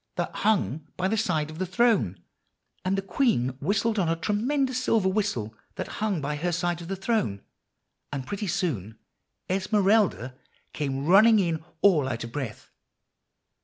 that hung by his side of the throne; and the queen whistled on a tremendous silver whistle that hung by her side of the throne; and pretty soon Esmeralda came running in all out of breath.